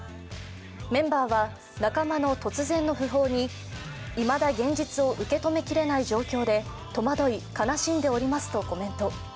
メンバーは未だ現実を受け止めきれない状況で戸惑い、悲しんでおりますとコメント。